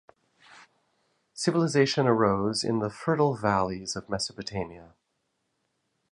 Civilization arose in the fertile valleys of Mesopotamia.